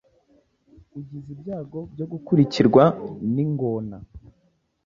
ugize ibyago byo gukurikirwa n’ingona